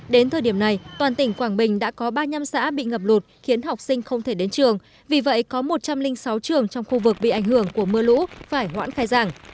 đến thời điểm này toàn tỉnh quảng bình đã có ba nhâm xã bị ngập lụt khiến học sinh không thể đến trường vì vậy có một trăm linh sáu trường trong khu vực bị ảnh hưởng của mưa lũ phải hoãn khai giảng